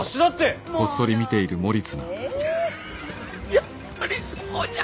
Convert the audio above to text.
やっぱりそうじゃ！